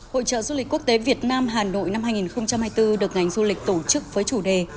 hội trợ du lịch quốc tế việt nam hà nội năm hai nghìn hai mươi bốn được ngành du lịch tổ chức với chủ đề